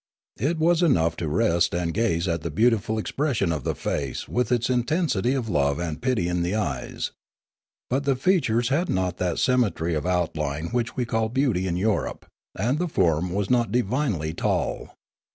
It was enough to rest and gaze at the beautiful expression of the face with its intensity of love and pity in the eyes. But the features had not that symmetry of outline which we call beauty in Europe; and the form was not " divinely tall."